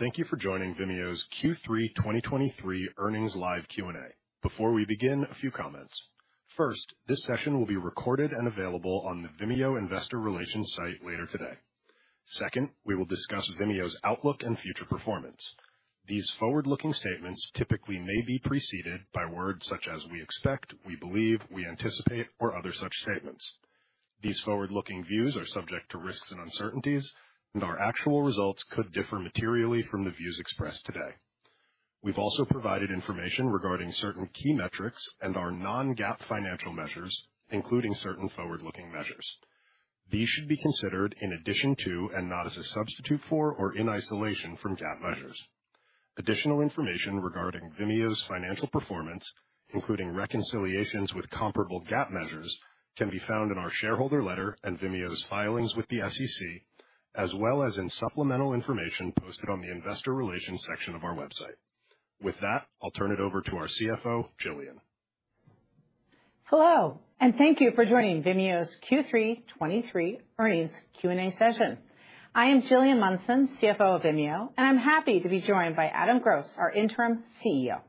Hello, and thank you for joining Vimeo's Q3 2023 earnings live Q&A. Before we begin, a few comments. First, this session will be recorded and available on the Vimeo Investor Relations site later today. Second, we will discuss Vimeo's outlook and future performance. These forward-looking statements typically may be preceded by words such as we expect, we believe, we anticipate or other such statements. These forward-looking views are subject to risks and uncertainties, and our actual results could differ materially from the views expressed today. We've also provided information regarding certain key metrics and our non-GAAP financial measures, including certain forward-looking measures. These should be considered in addition to and not as a substitute for or in isolation from GAAP measures. Additional information regarding Vimeo's financial performance, including reconciliations with comparable GAAP measures, can be found in our shareholder letter and Vimeo's filings with the SEC, as well as in supplemental information posted on the investor relations section of our website. With that, I'll turn it over to our CFO, Gillian. Hello, and thank you for joining Vimeo's Q3 2023 earnings Q&A session. I am Gillian Munson, CFO of Vimeo, and I'm happy to be joined by Adam Gross, our interim CEO.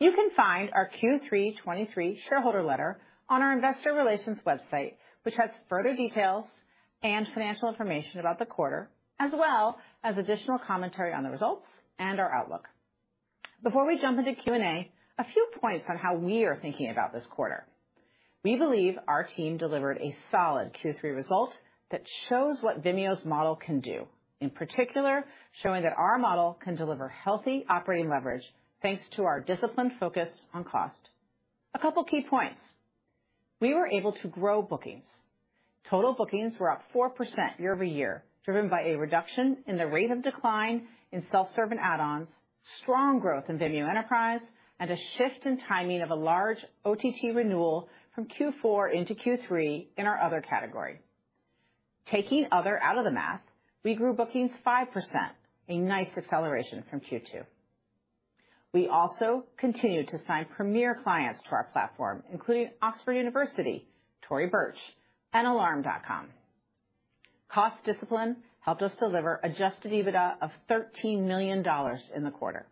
You can find our Q3 2023 shareholder letter on our investor relations website, which has further details and financial information about the quarter, as well as additional commentary on the results and our outlook. Before we jump into Q&A, a few points on how we are thinking about this quarter. We believe our team delivered a solid Q3 result that shows what Vimeo's model can do, in particular, showing that our model can deliver healthy operating leverage, thanks to our disciplined focus on cost. A couple of key points. We were able to grow bookings. Total bookings were up 4% YoY, driven by a reduction in the rate of decline in self-serve and add-ons, strong growth in Vimeo Enterprise, and a shift in timing of a large OTT renewal from Q4 into Q3 in our other category. Taking other out of the math, we grew bookings 5%, a nice acceleration from Q2. We also continued to sign premier clients to our platform, including Oxford University, Tory Burch, and Alarm.com. Cost discipline helped us deliver Adjusted EBITDA of $13 million in the quarter.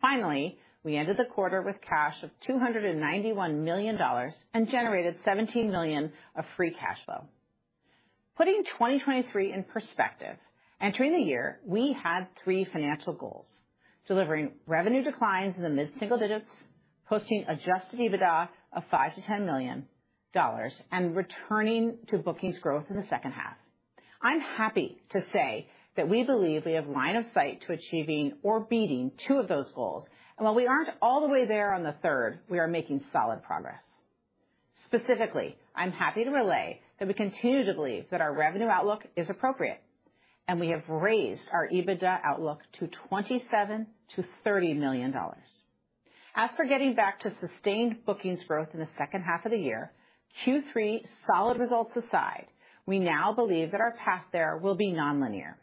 Finally, we ended the quarter with cash of $291 million and generated $17 million of free cash flow. Putting 2023 in perspective, entering the year, we had three financial goals: delivering revenue declines in the mid-single digits, posting Adjusted EBITDA of $5-$10 million, and returning to bookings growth in the second half. I'm happy to say that we believe we have line of sight to achieving or beating two of those goals, and while we aren't all the way there on the third, we are making solid progress. Specifically, I'm happy to relay that we continue to believe that our revenue outlook is appropriate, and we have raised our EBITDA outlook to $27-$30 million. As for getting back to sustained bookings growth in the second half of the year, Q3 solid results aside, we now believe that our path there will be nonlinear.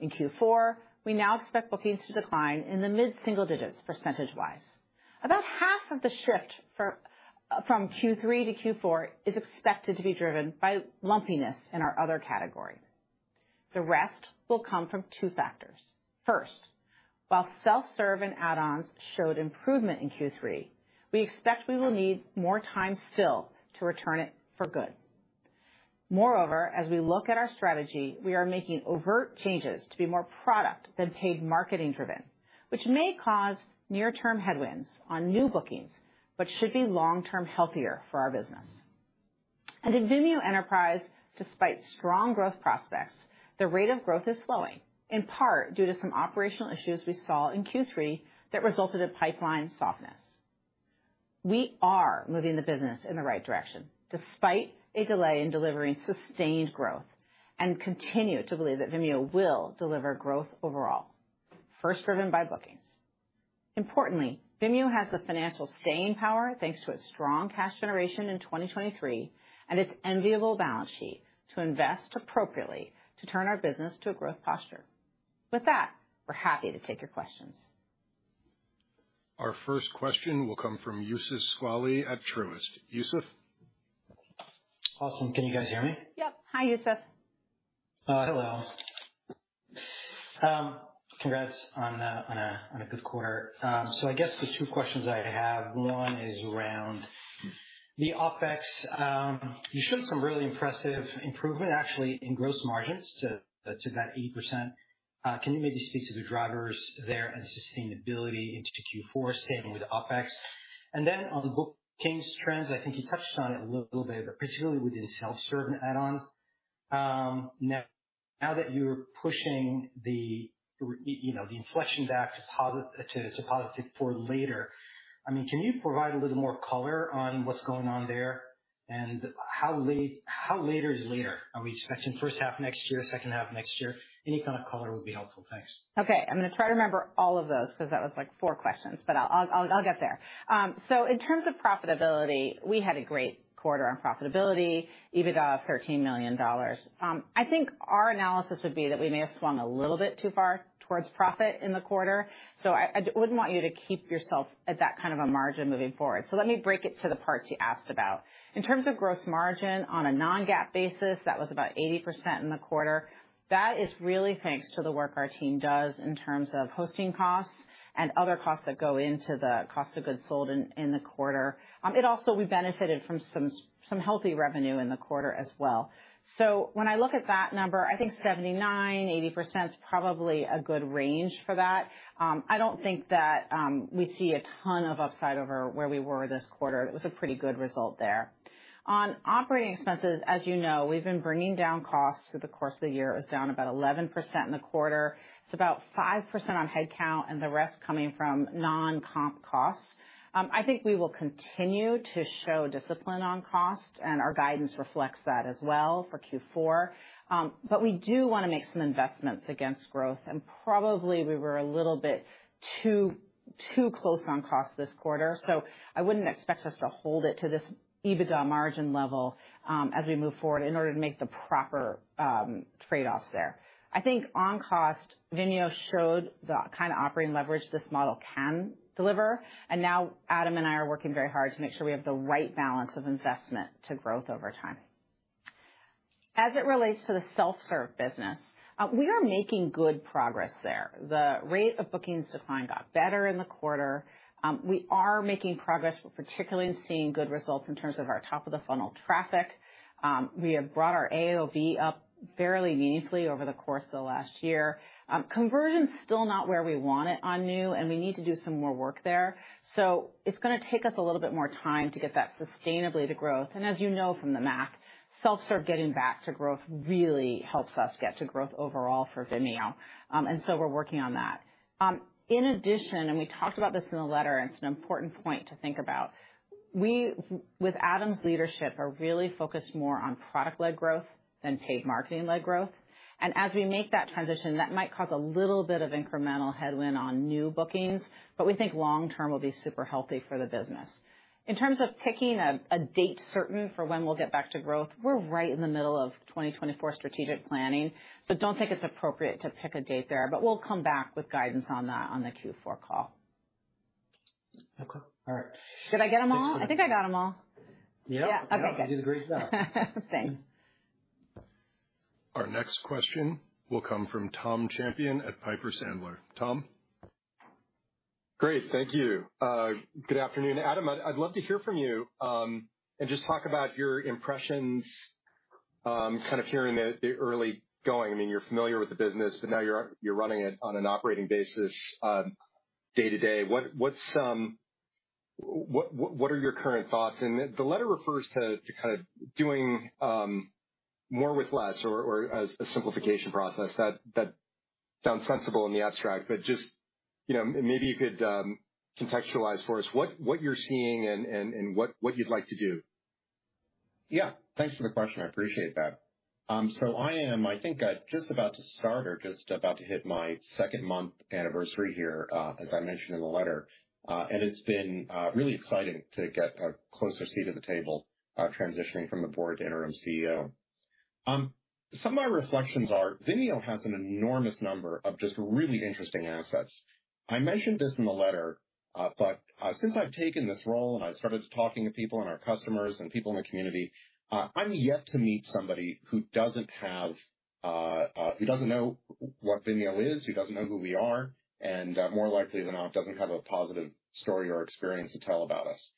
In Q4, we now expect bookings to decline in the mid-single digits, percentage-wise. About half of the shift for from Q3 to Q4 is expected to be driven by lumpiness in our other category. The rest will come from two factors. First, while self-serve and add-ons showed improvement in Q3, we expect we will need more time still to return it for good. Moreover, as we look at our strategy, we are making overt changes to be more product than paid marketing driven, which may cause near-term headwinds on new bookings, but should be long-term healthier for our business. And in Vimeo Enterprise, despite strong growth prospects, the rate of growth is slowing, in part due to some operational issues we saw in Q3 that resulted in pipeline softness. We are moving the business in the right direction, despite a delay in delivering sustained growth, and continue to believe that Vimeo will deliver growth overall, first driven by bookings. Importantly, Vimeo has the financial staying power, thanks to its strong cash generation in 2023 and its enviable balance sheet, to invest appropriately to turn our business to a growth posture. With that, we're happy to take your questions. Our first question will come from Youssef Squali at Truist. Youssef? Awesome. Can you guys hear me? Yep. Hi, Youssef. Hello. Congrats on a good quarter. So I guess the two questions I have, one is around the OpEx. You showed some really impressive improvement, actually, in gross margins to that 8%. Can you maybe speak to the drivers there and sustainability into Q4, staying with OpEx? And then on the bookings trends, I think you touched on it a little bit, but particularly with the self-serve and add-ons. Now that you're pushing the you know the inflection back to positive for later, I mean, can you provide a little more color on what's going on there? And how later is later? Are we expecting first half next year, second half of next year? Any kind of color would be helpful. Thanks. Okay, I'm gonna try to remember all of those, 'cause that was, like, four questions, but I'll get there. So in terms of profitability, we had a great quarter on profitability, EBITDA of $13 million. I think our analysis would be that we may have swung a little bit too far towards profit in the quarter, so I wouldn't want you to keep yourself at that kind of a margin moving forward. So let me break it to the parts you asked about. In terms of gross margin, on a non-GAAP basis, that was about 80% in the quarter. That is really thanks to the work our team does in terms of hosting costs and other costs that go into the cost of goods sold in the quarter. It also, we benefited from some healthy revenue in the quarter as well. So when I look at that number, I think 79%-80% is probably a good range for that. I don't think that we see a ton of upside over where we were this quarter. It was a pretty good result there. On operating expenses, as you know, we've been bringing down costs through the course of the year. It was down about 11% in the quarter. It's about 5% on headcount, and the rest coming from non-comp costs. I think we will continue to show discipline on cost, and our guidance reflects that as well for Q4. But we do wanna make some investments against growth, and probably we were a little bit too, too close on cost this quarter, so I wouldn't expect us to hold it to this EBITDA margin level, as we move forward in order to make the proper trade-offs there. I think on cost, Vimeo showed the kind of operating leverage this model can deliver, and now Adam and I are working very hard to make sure we have the right balance of investment to growth over time. As it relates to the self-serve business, we are making good progress there. The rate of bookings decline got better in the quarter. We are making progress. We're particularly seeing good results in terms of our top-of-the-funnel traffic. We have brought our AOV up fairly meaningfully over the course of the last year. Conversion's still not where we want it on new, and we need to do some more work there. So it's gonna take us a little bit more time to get that sustainably to growth. And as you know from the math, Self-Serve getting back to growth really helps us get to growth overall for Vimeo. And so we're working on that. In addition, and we talked about this in the letter, and it's an important point to think about, we, with Adam's leadership, are really focused more on product-led growth than paid marketing-led growth. And as we make that transition, that might cause a little bit of incremental headwind on new bookings, but we think long term will be super healthy for the business. In terms of picking a date certain for when we'll get back to growth, we're right in the middle of 2024 strategic planning, so don't think it's appropriate to pick a date there, but we'll come back with guidance on that on the Q4 call. Okay. All right. Did I get them all? I think I got them all. Yeah. Yeah. Okay, good. You did a great job. Thanks. Our next question will come from Tom Champion at Piper Sandler. Tom? Great, thank you. Good afternoon, Adam. I'd love to hear from you and just talk about your impressions, kind of hearing the early going. I mean, you're familiar with the business, but now you're running it on an operating basis, day-to-day. What are your current thoughts? And the letter refers to kind of doing more with less or a simplification process. That sounds sensible in the abstract, but just, you know, maybe you could contextualize for us what you're seeing and what you'd like to do. Yeah. Thanks for the question. I appreciate that. So I am, I think, just about to start or just about to hit my second-month anniversary here, as I mentioned in the letter, and it's been really exciting to get a closer seat at the table, transitioning from the board to Interim CEO. Some of my reflections are, Vimeo has an enormous number of just really interesting assets. I mentioned this in the letter, but since I've taken this role, and I've started talking to people and our customers and people in the community, I'm yet to meet somebody who doesn't have, who doesn't know what Vimeo is, who doesn't know who we are, and more likely than not, doesn't have a positive story or experience to tell about us.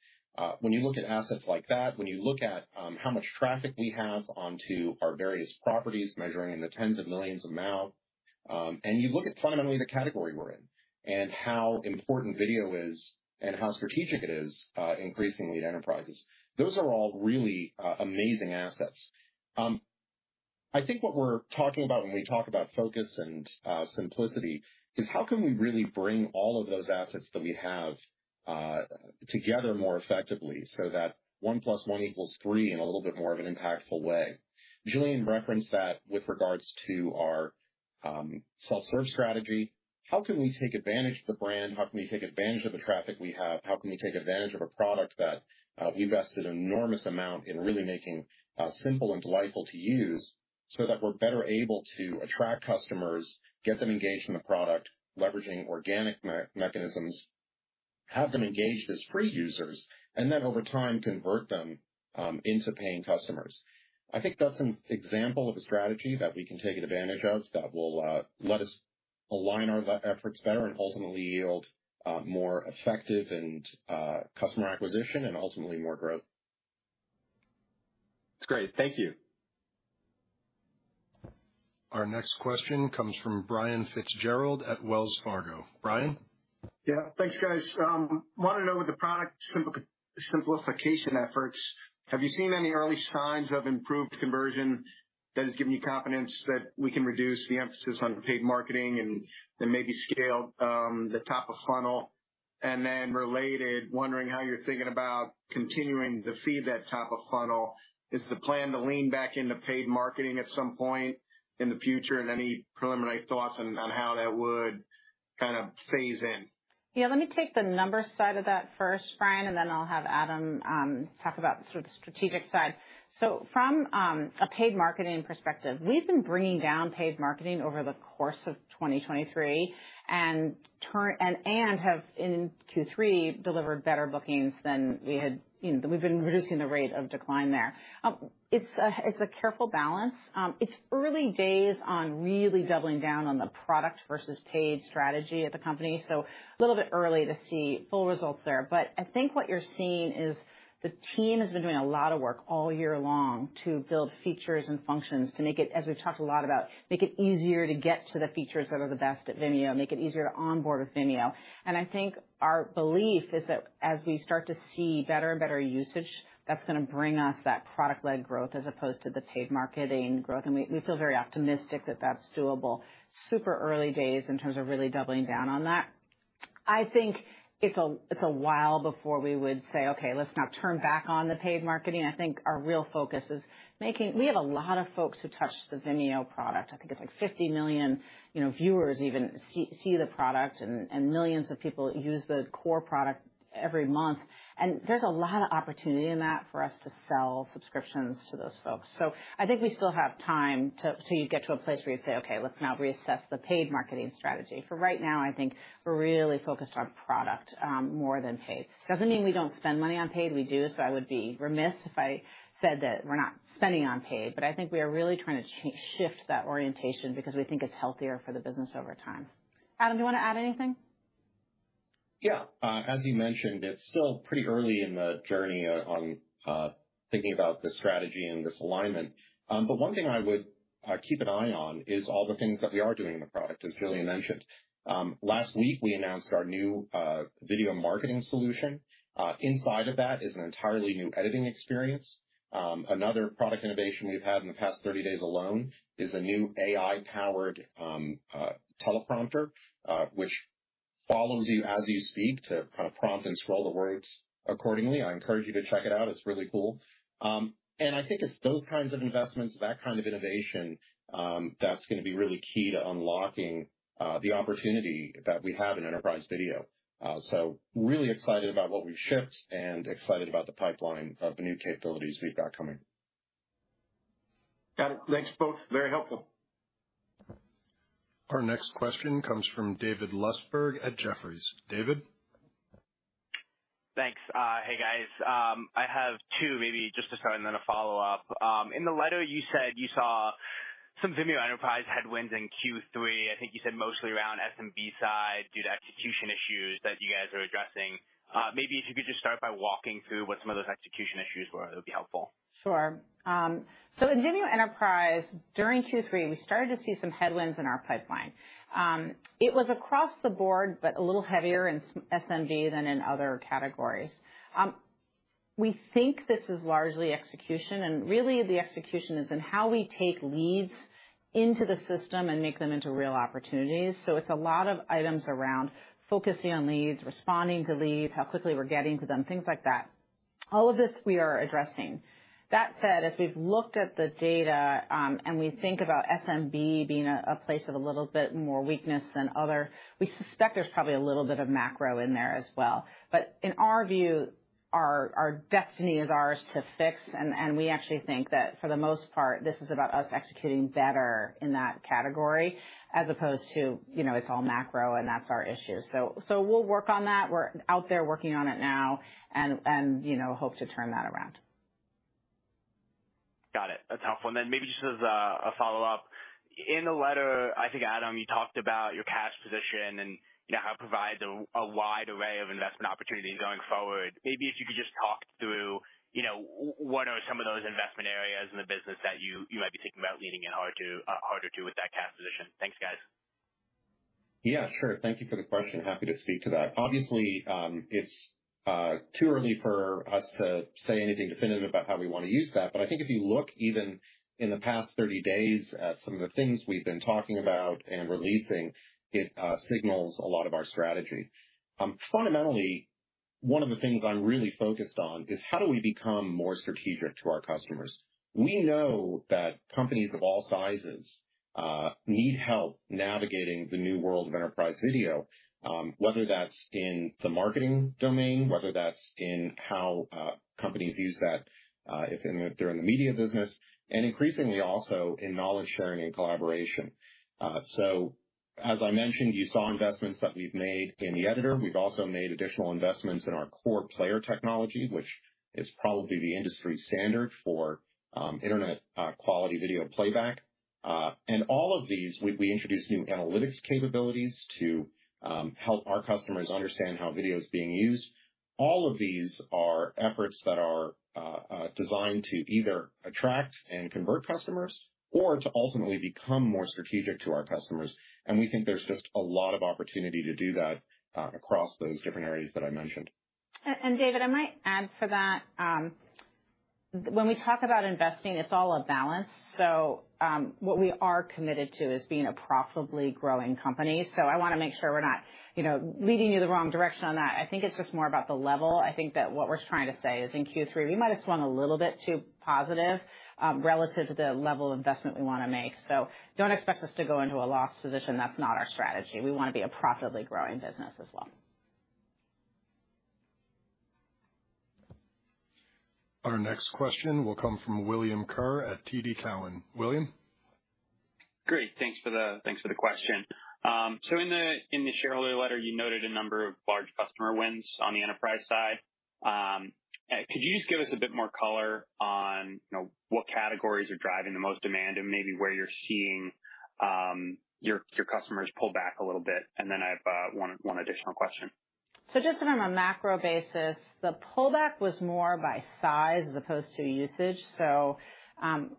When you look at assets like that, when you look at how much traffic we have onto our various properties, measuring in the tens of millions a month, and you look at fundamentally the category we're in, and how important video is, and how strategic it is, increasingly at enterprises, those are all really amazing assets. I think what we're talking about when we talk about focus and simplicity is: How can we really bring all of those assets that we have together more effectively so that one plus one equals three in a little bit more of an impactful way? Gillian referenced that with regards to our self-serve strategy. How can we take advantage of the brand? How can we take advantage of the traffic we have? How can we take advantage of a product that we've invested an enormous amount in really making simple and delightful to use, so that we're better able to attract customers, get them engaged in the product, leveraging organic mechanisms, have them engaged as free users, and then, over time, convert them into paying customers? I think that's an example of a strategy that we can take advantage of that will let us align our efforts better and ultimately yield more effective and customer acquisition and ultimately more growth. That's great. Thank you. Our next question comes from Brian Fitzgerald at Wells Fargo. Brian? Yeah. Thanks, guys. Wanted to know with the product simplification efforts, have you seen any early signs of improved conversion that has given you confidence that we can reduce the emphasis on paid marketing and then maybe scale the top of funnel?... And then related, wondering how you're thinking about continuing to feed that type of funnel. Is the plan to lean back into paid marketing at some point in the future? And any preliminary thoughts on, on how that would kind of phase in? Yeah, let me take the numbers side of that first, Brian, and then I'll have Adam talk about sort of the strategic side. So from a paid marketing perspective, we've been bringing down paid marketing over the course of 2023, and have, in Q3, delivered better bookings than we had, you know, we've been reducing the rate of decline there. It's a careful balance. It's early days on really doubling down on the product versus paid strategy at the company, so a little bit early to see full results there. But I think what you're seeing is the team has been doing a lot of work all year long to build features and functions to make it, as we've talked a lot about, make it easier to get to the features that are the best at Vimeo, make it easier to onboard with Vimeo. And I think our belief is that as we start to see better and better usage, that's gonna bring us that product-led growth as opposed to the paid marketing growth. And we, we feel very optimistic that that's doable. Super early days in terms of really doubling down on that. I think it's a, it's a while before we would say, "Okay, let's now turn back on the paid marketing." I think our real focus is making—we have a lot of folks who touch the Vimeo product. I think it's like 50 million, you know, viewers even see the product, and millions of people use the core product every month. And there's a lot of opportunity in that for us to sell subscriptions to those folks. So I think we still have time to, till you get to a place where you'd say, "Okay, let's now reassess the paid marketing strategy." For right now, I think we're really focused on product more than paid. Doesn't mean we don't spend money on paid. We do, so I would be remiss if I said that we're not spending on paid, but I think we are really trying to shift that orientation because we think it's healthier for the business over time. Adam, do you want to add anything? Yeah. As you mentioned, it's still pretty early in the journey on thinking about the strategy and this alignment. But one thing I would keep an eye on is all the things that we are doing in the product, as Gillian mentioned. Last week, we announced our new video marketing solution. Inside of that is an entirely new editing experience. Another product innovation we've had in the past 30 days alone is a new AI-powered teleprompter, which follows you as you speak to kind of prompt and scroll the words accordingly. I encourage you to check it out. It's really cool. And I think it's those kinds of investments, that kind of innovation, that's gonna be really key to unlocking the opportunity that we have in enterprise video. So really excited about what we've shipped and excited about the pipeline of the new capabilities we've got coming. Got it. Thanks, folks. Very helpful. Our next question comes from David Lustberg at Jefferies. David? Thanks. Hey, guys. I have two, maybe just to start and then a follow-up. In the letter, you said you saw some Vimeo Enterprise headwinds in Q3. I think you said mostly around SMB side, due to execution issues that you guys are addressing. Maybe if you could just start by walking through what some of those execution issues were, it would be helpful. Sure. So in Vimeo Enterprise, during Q3, we started to see some headwinds in our pipeline. It was across the board, but a little heavier in SMB than in other categories. We think this is largely execution, and really the execution is in how we take leads into the system and make them into real opportunities. So it's a lot of items around focusing on leads, responding to leads, how quickly we're getting to them, things like that. All of this we are addressing. That said, as we've looked at the data, and we think about SMB being a place of a little bit more weakness than other, we suspect there's probably a little bit of macro in there as well. But in our view, our destiny is ours to fix, and we actually think that for the most part, this is about us executing better in that category as opposed to, you know, it's all macro, and that's our issue. So we'll work on that. We're out there working on it now and, you know, hope to turn that around. Got it. That's helpful. And then maybe just as a follow-up: In the letter, I think, Adam, you talked about your cash position and, you know, how it provides a wide array of investment opportunities going forward. Maybe if you could just talk through, you know, what are some of those investment areas in the business that you might be thinking about leaning in harder to, harder to with that cash position? Thanks, guys. Yeah, sure. Thank you for the question. Happy to speak to that. Obviously, it's too early for us to say anything definitive about how we want to use that, but I think if you look even in the past 30 days at some of the things we've been talking about and releasing, it signals a lot of our strategy. Fundamentally, one of the things I'm really focused on is how do we become more strategic to our customers? We know that companies of all sizes need help navigating the new world of enterprise video, whether that's in the marketing domain, whether that's in how companies use that if they're in the media business, and increasingly also in knowledge sharing and collaboration. So as I mentioned, you saw investments that we've made in the editor. We've also made additional investments in our core player technology, which is probably the industry standard for internet quality video playback. And all of these, we introduced new analytics capabilities to help our customers understand how video is being used. All of these are efforts that are designed to either attract and convert customers or to ultimately become more strategic to our customers, and we think there's just a lot of opportunity to do that across those different areas that I mentioned. David, I might add for that. When we talk about investing, it's all a balance. So, what we are committed to is being a profitably growing company. So I want to make sure we're not, you know, leading you the wrong direction on that. I think it's just more about the level. I think that what we're trying to say is, in Q3, we might have swung a little bit too positive, relative to the level of investment we want to make. So don't expect us to go into a loss position. That's not our strategy. We want to be a profitably growing business as well. Our next question will come from William Kerr at TD Cowen. William? Great. Thanks for the question. So in the shareholder letter, you noted a number of large customer wins on the enterprise side. Could you just give us a bit more color on, you know, what categories are driving the most demand and maybe where you're seeing your customers pull back a little bit? And then I have one additional question. So just on a macro basis, the pullback was more by size as opposed to usage. So,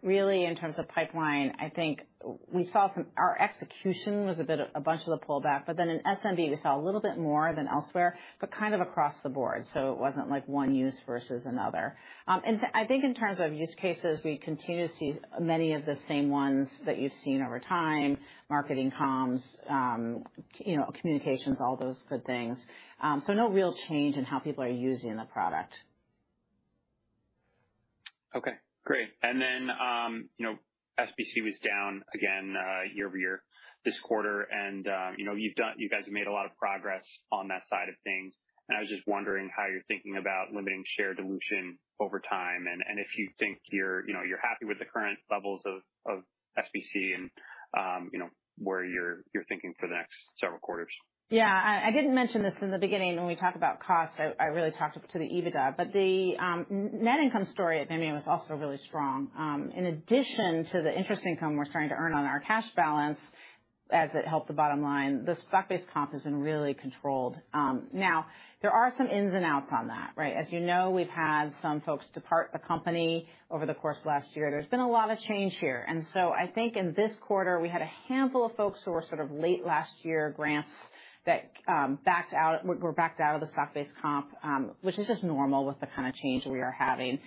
really, in terms of pipeline, I think we saw some. Our execution was a bit of a bunch of the pullback, but then in SMB, we saw a little bit more than elsewhere, but kind of across the board, so it wasn't like one use versus another. And I think in terms of use cases, we continue to see many of the same ones that you've seen over time, marketing comms, you know, communications, all those good things. So no real change in how people are using the product. Okay, great. And then, you know, SBC was down again, YoY this quarter, and, you know, you've done you guys have made a lot of progress on that side of things. And I was just wondering how you're thinking about limiting share dilution over time, and, and if you think you're, you know, you're happy with the current levels of, of SBC and, you know, where you're, you're thinking for the next several quarters. Yeah, I didn't mention this in the beginning when we talked about cost. I really talked to the EBITDA, but the net income story at Vimeo is also really strong. In addition to the interest income we're starting to earn on our cash balance, as it helped the bottom line, the stock-based comp has been really controlled. Now, there are some ins and outs on that, right? As you know, we've had some folks depart the company over the course of last year. There's been a lot of change here, and so I think in this quarter, we had a handful of folks who were sort of late last year grants that backed out, were backed out of the stock-based comp, which is just normal with the kind of change we are having.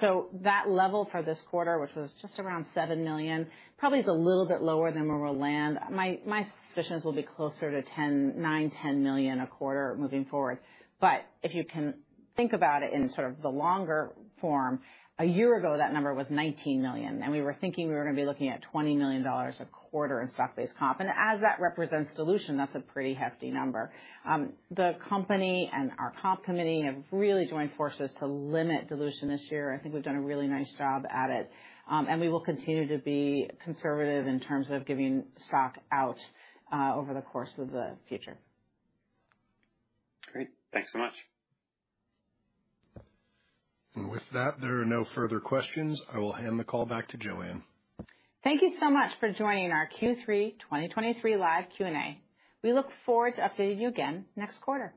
So that level for this quarter, which was just around $7 million, probably is a little bit lower than where we'll land. My, my suspicion is we'll be closer to $10, $9, $10 million a quarter moving forward. But if you can think about it in sort of the longer form, a year ago, that number was $19 million, and we were thinking we were going to be looking at $20 million a quarter in stock-based comp. And as that represents dilution, that's a pretty hefty number. The company and our comp committee have really joined forces to limit dilution this year. I think we've done a really nice job at it. And we will continue to be conservative in terms of giving stock out over the course of the future. Great. Thanks so much. With that, there are no further questions. I will hand the call back to Joanne. Thank you so much for joining our Q3 2023 live Q&A. We look forward to updating you again next quarter.